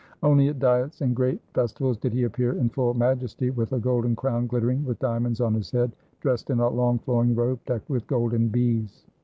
Only at diets and great festivals did he appear in full majesty, with a golden crown glittering with diamonds on his head, dressed in a long flowing robe, decked with golden bees.